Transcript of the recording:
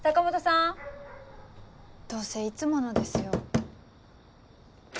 どうせいつものですよ。